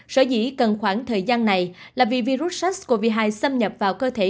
sở dĩ cần khoảng thời gian này là vì virus sars cov hai xâm nhập vào cơ thể